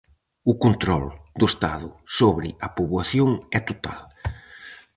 O control do estado sobre a poboación é total.